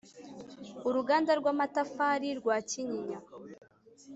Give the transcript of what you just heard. Uruganda rw amatafari rwa Kinyinya